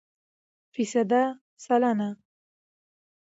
فیصده √ سلنه